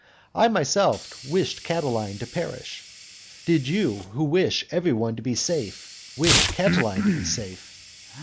I myself wished Catiline to perish. Did you who wish every one to be safe, wish Catiline to be safe?